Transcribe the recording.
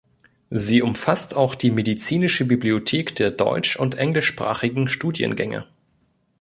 Sie umfasst auch die medizinische Bibliothek der deutsch- und englischsprachigen Studiengänge.